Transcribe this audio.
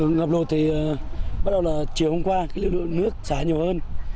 ngập lột thì bắt đầu là chiều hôm qua lượng nước xả nhiều hơn